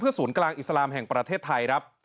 เพื่อสุนกลางอิสรามแห่งประเทศไทย